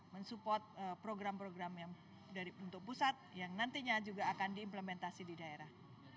mensupport program program yang dari bentuk pusat yang nantinya juga akan diimplementasi di daerah